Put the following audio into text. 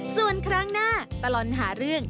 ส่วนครั้งหน้าตลอดหาเรื่อง